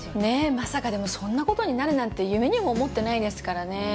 まさかでもそんなことになるなんて夢にも思ってないですからね